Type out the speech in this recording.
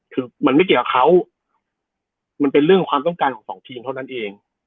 คือมันไม่เกี่ยวกับเขามันเป็นเรื่องความต้องการของสองทีมเท่านั้นเอง